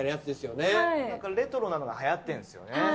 レトロなのがはやってんすよね。